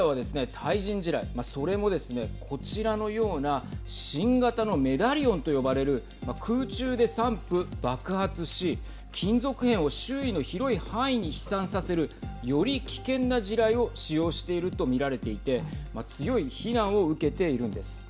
対人地雷それもですねこちらのような新型のメダリオンと呼ばれる空中で散布、爆発し金属片を周囲の広い範囲に飛散させる、より危険な地雷を使用していると見られていて強い非難を受けているんです。